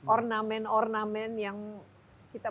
ornamen ornamen yang kita